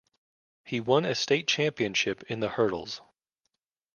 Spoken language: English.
He won a state championship in the hurdles.